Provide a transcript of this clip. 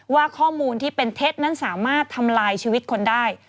ว่าข้อมูลที่เป็นเท็จนั้นสามารถทำลายชีวิตคนได้